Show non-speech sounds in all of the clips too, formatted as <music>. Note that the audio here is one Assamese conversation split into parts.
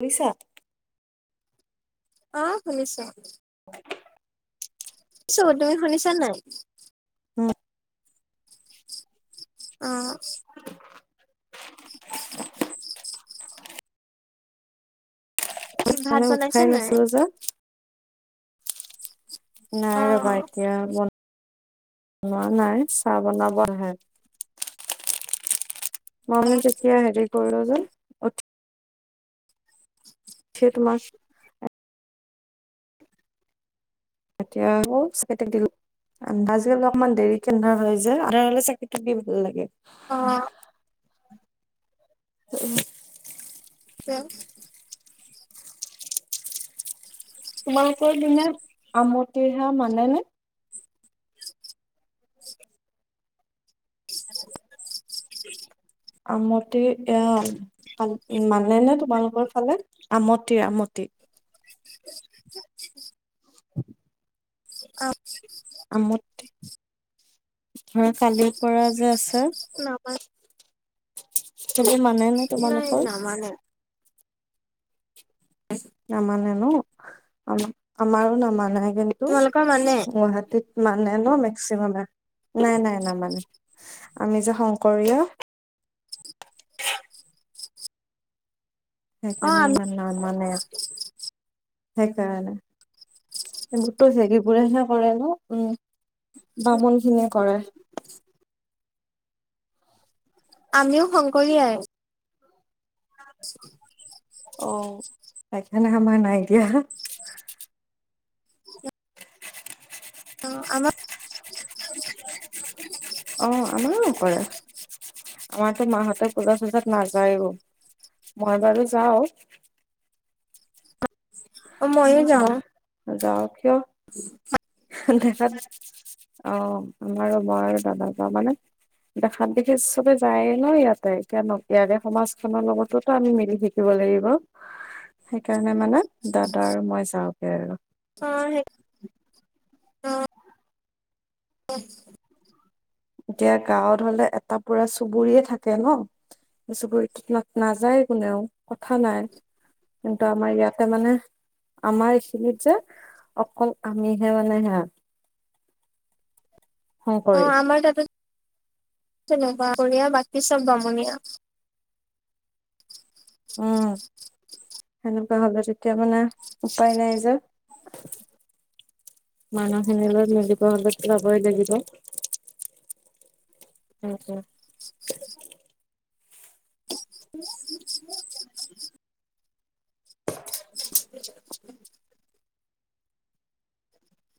নিছা। অ শুনিছোঁ। <unintelligible> চ' তুমি শুনিছা নাই? উম। অ, কি ভাত বনাইছা উঠাই নাই নাছিলো যে। অ নাই ৰবা এতিয়া বন হোৱা নাই, চাহ বনাব হে। মনে তেতিয়া হেৰি কৰলো। অ, থে তোমাক এতিয়া আকৌ চাকি দিলো আজিকালি অকমান দেৰি এন্ধাৰ হৈ যায় আন্ধাৰ হলে চাকিতি দি ভাল লাগে। অহ। <unintelligible> <unintelligible> তোমালোকৰ দিনা আমতিহা মানে নে? <unintelligible> <unintelligible> আমতি এয়া পাল, মানেনো তুমাল আমাৰ ফালে আমতিৰ আমতি। <unintelligible> <unintelligible> অহ। আমুতি, হয় কালি। পৰাজ আছে। নামা চবে মানে নে নাই তোমালোকৰ। নামানে নামানে ন। আ আমাৰো নামা নাই। কিন্তু, তোমালোকৰ মানে মোৰ হাতে মানে ন মেক্সিমামে। নাই, নাই নামানে। আমি যে শংকৰীয়া। অ সেইকাৰণে আমি ইমান নামানে। সেইকাৰণে এইবোৰতো জেগিবোৰেহে কৰে ন উম। বামুনখিনিয়ে কৰে। আমিও শংকৰীাই <inaudible> অ সেইকাৰণে আমাৰ নাই দিয়া অ' আমাৰ অ' আমাৰো কৰে আমাৰ মাহ পলা হাজাৰ ন যাই মই বাৰু যাওওঁ অ মইয়ো যাওঁ। যাৱ কিয়? <inaudible> দেখাত অ' আমাৰো মই আৰু দাদা যাওঁ মানে দেখাত বিশেষ চবে যায়ে ন ইয়াতে এতিয়া ইয়াৰে সমাজখনৰ লগতোতো আমি মিলি থাকিব লাগিব সেইকাৰণে মানে দাদা আৰু মই যাওঁ। সে অ সেই অ এতিয়া গাঁৱত হলে এটা পুৰা চুবুৰয়ে থাকে ন স চুবুৰীটোত নাযায় কোনেও কথা নাই কিন্তু আমাৰ ইয়াতে মানে আমাৰ এইখিনিত যে অকল আমিহে মানে সেয়া অ কৰি আমাৰ তাতো তেনেকুৱা বৰীয়া <unintelligible> বাকী চব বামুনীয়া উম সেনেকুৱা হ'লে তেতিয়া মানে উপায় নাই যে মানুহখিনিৰ লগত মিলিব হ'লেতো যাবই লাগিব। উ উ <inaudible> <inaudible> <inaudible>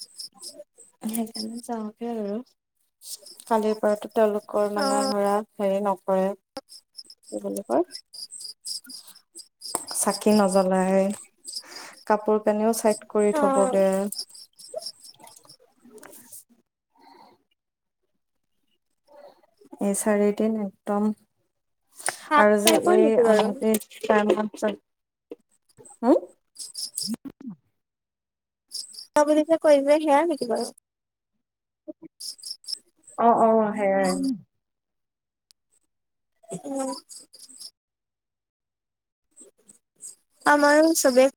হয় চিয়ো <unintelligible> কালিৰ পৰাাৰতো তেওঁলোকৰ অ মানে ঘৰা হেৰি নকৰে কি বুলি কয় <inaudible> চাকি নজ্বলাই কাপোৰ কানিও চাই কৰি অ থ'বগে এই চ়াৰিদিন একদম সাত আৰু যে টাইপৰ এই নেকি বাৰু আমতে চাৰ হা হ ত বুলি যে ক সেয়া নেকি বাৰু অ' অ' সেয়াই। উম <unintelligible> আমাৰো চবে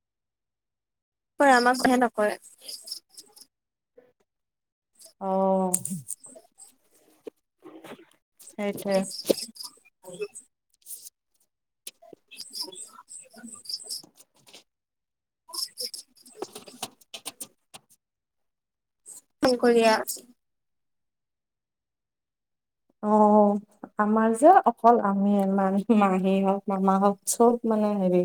হয়, আমাক বেয়া নকৰে। অহ। <unintelligible> উ সেইটোৱে <unintelligible> য় <unintelligible> <unintelligible> <inaudible> শংকৰীয়া অ আমাৰ যে অকল আমি। মান মাহী হওক মামা হওক চব মানে হেৰি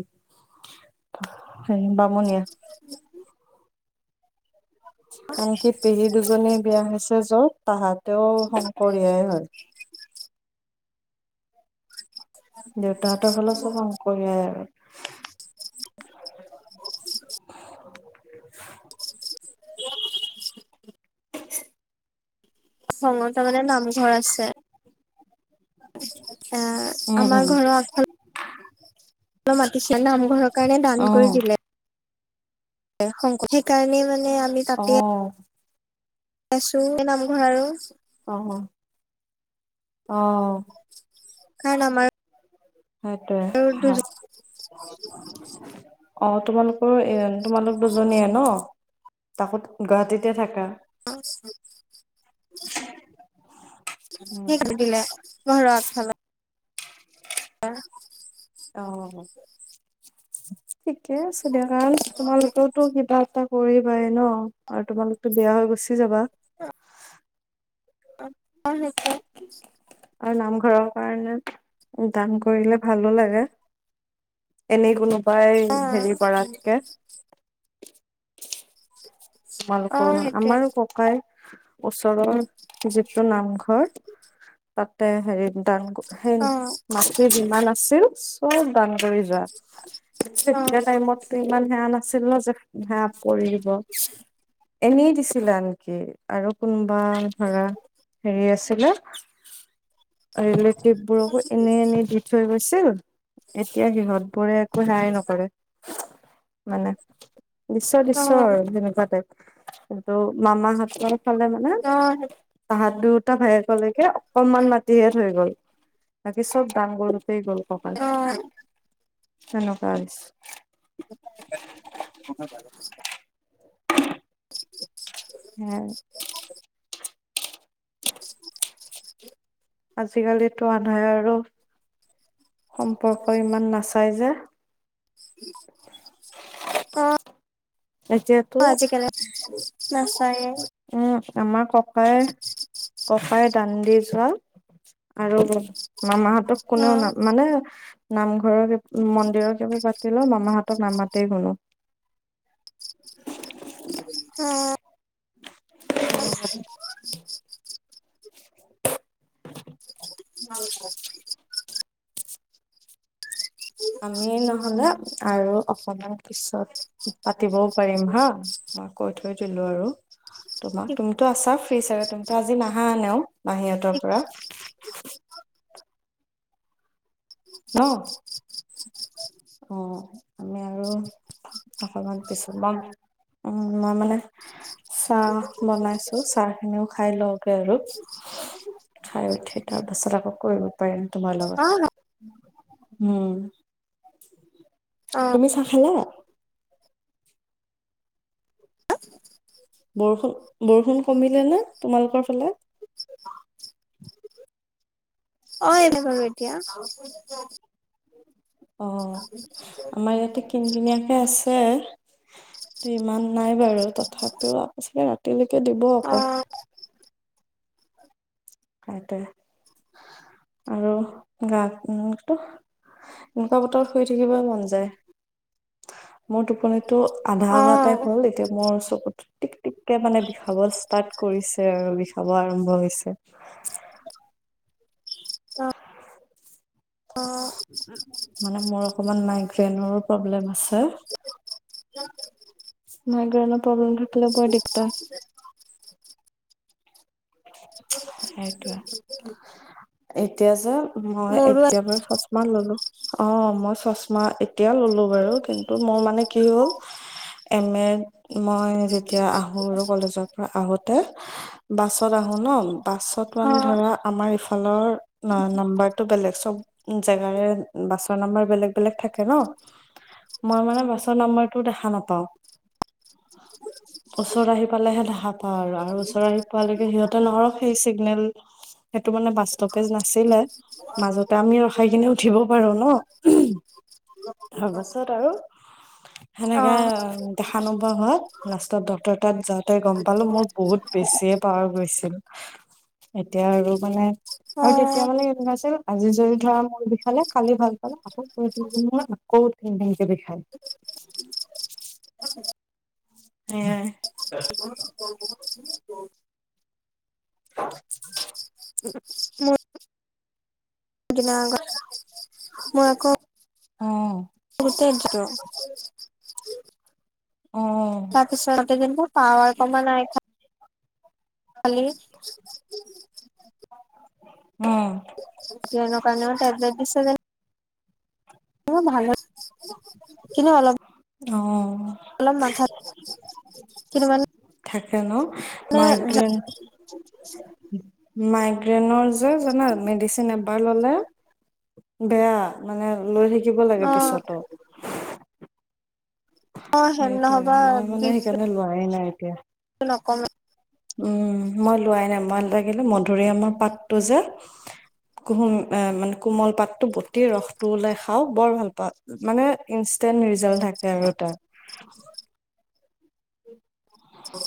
হ মনিয়া <inaudible> আনকি পেহী দুজনী বিয়া হৈছে য'ত পাহাত। তেওঁ শংকৰীয়াই হয়। দেউতাহঁতৰ ফালে চব অংকয়াই আৰু। <inaudible> <inaudible> <unintelligible> ষোল্ল তা <unintelligible> মানে নামঘৰ আছে <unintelligible> এ উম আমাৰ উম ঘৰৰ আফাল মাতিছিল নামঘৰৰ কাৰণে দান কৰি অ', দিলে। শংকৰী সেইকাৰণে মানে আমি তাতে অ', আছো নামঘৰ আৰু আহ আহ। কাৰ নমাৰ সেইটোৱে। অ তোমালোকৰ এ তোমালোক দুজনীয়ে ন? তাকো গুৱাহাটীতে থাকা। আ <unintelligible> উম, উম, <unintelligible> দিলে ঘৰ খালা আহ। অ', <inaudible> ঠিকে আছিল দে কাৰণ তোমালোকেওতো কিবা এটা কৰি পাই ন। আৰু তোমালোকতো বেয়া হৈ গুচি যাবা। <unintelligible> আৰু নামঘৰৰ কাৰণে দান কৰিলে ভালো লাগে। এনে কোনো সেই অ হেৰি কৰাতকে। <inaudible> অ তোমালোকৰো সেইটোৱে আমাৰো ককাই ওচৰৰ যিটো নামঘৰ। তাতে হেৰি টান হেই অ মাটি যিমান আছিল। <unintelligible> দান কৰি যোৱা। অ তেতিয়া টাইমত ইমান সেয়া নাছিল। আছিল ন যে সেয়া কৰি দিব। এনেই দিছিলে আনকি আৰু কোনোবা ধৰা হেৰি আছিলে। ৰিলেটিভ বোৰকো এনে এনেই দি থৈ গৈছে। আছিল। এতিয়া সিহঁত বোৰে একো সেয়াই নকৰে। মানে দিছে দিছে আৰু তেনেকুৱা টাইপ। কিন্তু মামা হতঁৰ। সিফালে মানে অ অ তাহাত দুত দুটা ভায়েকলৈকে অকনমান মাটিহে থৈ গ'ল বাকী চব দান কৰি গ'ল ককাই। অ তেনেকোৱা। <unintelligible> হুম। <inaudible> আজিকালিতো আমাৰ আৰু সম্পৰ্ক ইমান নাচাই যে। এতিয়াতো অ' আজি কালি নাচায়ে। উম আমাৰ ককা ককাই ককাই দান্ দি যোৱা আৰু মামাহঁতক অ কোনেও না মানে নামঘৰকে মন্দিৰৰ কিবা পাতিলে ম মামাহতক নামাতেই কোনো। <inaudible> উম। অ <inaudible> <inaudible> <inaudible> <inaudible> উ হয়। আমি নহ'লে আৰু বনাৰ পিছত পাতিবও পাৰিম হা, মই কৈ থৈ ৈ <unintelligible> দলো আৰু। তোমাৰ, তুমিতো আছা? িছাগে <unintelligible> তুমিো আজি নাহা আনেও? মাহীঁতৰ পৰা ন, অঁ, আমি আৰু আফ মান পিছ মাম উম মই মানে চাহ বনাইছো, চাহ খিনিও খাই লওঁ। আৰু খাই উঠি তাৰ পাছত আকৌ, কৰিব পাৰিম তোমাৰ লগত। অ উম। অ তুমি চাহ খালা? হা <unintelligible> বৰষুণ, বৰষুণ কমিলে নে, তোমালোকৰ ফালে? অ' এনে বাৰু এতিয়া। অঁ, আমাৰ ইয়াতে কিন কিনীয়াকে আছে <unintelligible> ইমান নাই বাৰু তথাপিও আকৌ চাগে ৰাতিলৈকে দিব অ আকৌ কইতে আৰু গা, এনেকুৱা বতৰ শুই থাকিব মন যায়, মোৰ টোপন টো আধা অ হোৱা টাইপ হ'ল, এতিয়া মোৰ টিক টিককে মানে বিষাব ষ্টাৰ্ট কৰিছে আৰু, বিষাব আৰম্ভ হৈছে। হয় <inaudible> অঁ মানে মোৰ অকমান মাইক ফেনৰো প্ৰব্লেম আছে হ ন প্ৰব্লেম থলে বৰ দিগদাৰ সেইটোৱে <inaudible> এতিয়া যে মই মোৰো এতিয়া বাৰু চশমা ললো অ মই চশমা এতিয়া ললো বাৰু কিন্তু মোৰ মানে কি হ'ল এনেই মই যেতিয়া আহো আৰু কলেজৰ পৰা আহোত তই বাছত আহো ন বাছত মানে অ অ ধৰা আমাৰ ফোনৰ নাম্বাৰটো বেলেগ চব জেগাৰে বাছৰ নাম্বাৰ বেলেগ বেলেগ থাকে ন মই মানে বাছৰ নাম্বৰটো দেখা নাপাওঁ ওচৰত আহি পালেহে অ আৰু আৰু ওচৰ আহি পোৱালৈকে <unintelligible> চিগনেল মানে বাস্তৱেজ নাছিলে মাজতে আমি ৰখাইখিনি উঠিব নোৱোৰু ন তাৰ পাছত আৰু- সেনেকে দেখা নো পোৱা ঘত লাষ্টত ডটৰ তাত যাওঁতে গম পালো মোৰ বহুত বেছি গৈছিল এতিয়া আৰু মানে- অ আৰু তেতিয়া মানে আছে আজি- যদি ধৰা খালে খালি ভাল পালে অকৌ প্ৰতি মই আকৌ উম আ <unintelligible> উ <inaudible> উ মোৰ <unintelligible> দিনা মোৰক অ তে <inaudible> অ তাকিচান যেন্ত পাৱাৰ কমান নাই খ খালী কে ন কাৰণ টেবলেট আছে কাৰণে ভাল <unintelligible> কিন্তু অলপ অ অ অলম মথা কিমানমান হেল্ল' মাইকে মাই ্ৰেনৰ য জানা মেডিচিননে ললে বেয়া মানে লৈ থাকি থাকিব লাগে অ পিছতো <inaudible> অ হেম সেইটোয়ে নহ'বা মই মানে সেইকাৰণে লোৱাই নাই তে নকম উম মই লোৱাই নাই মই লাগিলে মধুৰি আমাৰ পাতটো যে কুহুম মানে কোমল পাতটো বট ৰসটো ওলাই খাও বৰ ভাল পাওঁ মানে ইনেণ্ট ৰিজাল্ট থাকে আৰু এটা <inaudible> অ